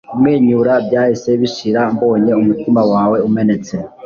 kumwenyura byahise bishira mbonye umutima wawe umenetse